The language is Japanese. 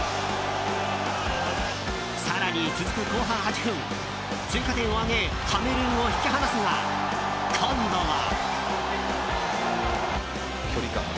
更に続く後半８分、追加点を挙げカメルーンを引き離すが今度は。